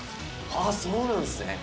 「ああそうなんですね。